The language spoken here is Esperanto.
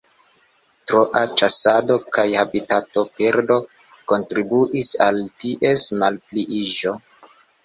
Troa ĉasado kaj habitatoperdo kontribuis al ties malpliiĝo.